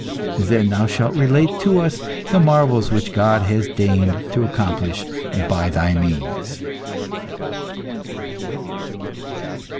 Then thou shalt relate to us the marvels which God has deigned to accomplish by thy means."